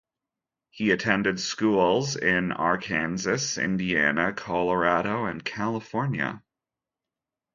He attended schools in Arkansas, Indiana, Colorado and California.